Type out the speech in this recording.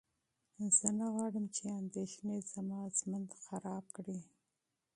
زه نه غواړم چې اندېښنې زما ژوند خراب کړي.